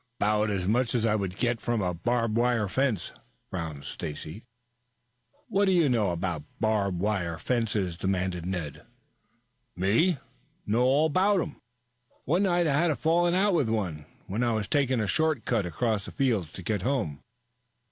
"'Bout as much as I would from a barbed wire fence," frowned Stacy. "What do you know about barbed wire fences?" demanded Ned. "Me? Know all 'bout them. One night I had a falling out with one, when I was taking a short cut across the fields to get home."